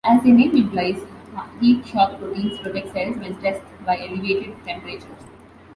As their name implies, heat shock proteins protect cells when stressed by elevated temperatures.